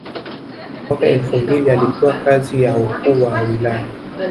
Mwaka elfu mbili alipewa kazi ya Ukuu wa Wilaya